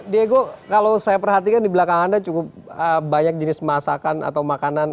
diego kalau saya perhatikan di belakang anda cukup banyak jenis masakan atau makanan